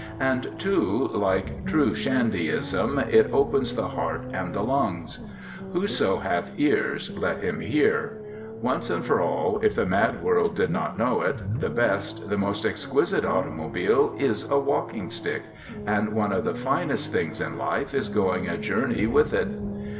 And, too, like true Shandyism "it opens the heart and the lungs." Whoso hath ears, let him hear! Once and for all, if the mad world did but know it, the best, the most exquisite automobile is a walking stick; and one of the finest things in life is going a journey with it.